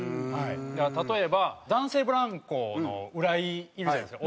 例えば男性ブランコの浦井いるじゃないですか。